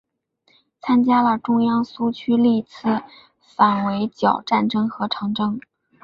参加了中央苏区历次反围剿战争和长征。